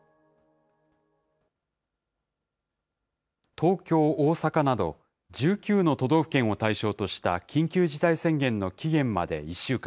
東京、大阪など１９の都道府県を対象とした緊急事態宣言の期限まで１週間。